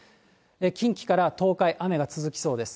近畿から東海、雨が続きそうです。